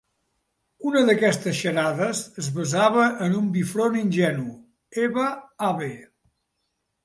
Una d'aquestes xarades es basava en un bifront ingenu: «Eva-Ave».